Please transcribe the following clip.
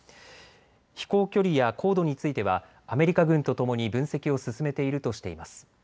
飛行距離や高度についてはアメリカ軍とともに分析を進めているとしています。